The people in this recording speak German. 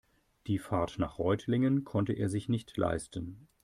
Die Fahrt nach Reutlingen konnte er sich nicht leisten